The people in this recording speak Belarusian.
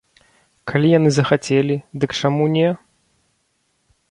Калі яны захацелі, дык чаму не?